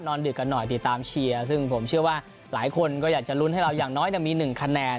ดึกกันหน่อยติดตามเชียร์ซึ่งผมเชื่อว่าหลายคนก็อยากจะลุ้นให้เราอย่างน้อยมี๑คะแนน